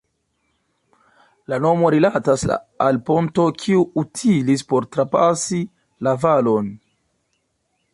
La nomo rilatas al ponto kiu utilis por trapasi la valon.